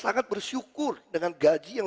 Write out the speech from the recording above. sangat bersyukur dengan gaji yang